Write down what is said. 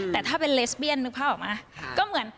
แต่ถ้าเป็นเลสเบียนนึกภาพออกไหม